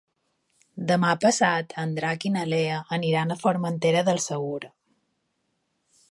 Demà passat en Drac i na Lea aniran a Formentera del Segura.